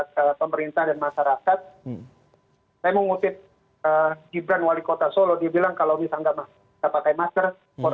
kepada pemerintah dan masyarakat